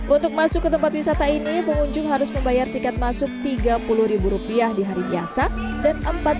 untuk masuk ke tempat wisata ini pengunjung harus membayar tiket masuk tiga puluh rupiah di hari biasa dan